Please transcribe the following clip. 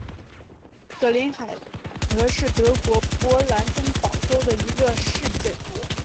格林海德是德国勃兰登堡州的一个市镇。